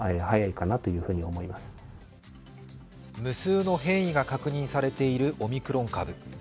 無数の変異が確認されているオミクロン株。